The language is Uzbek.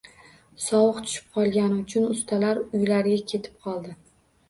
Sovuq tushib qolgani uchun ustalar uylariga ketib qoldi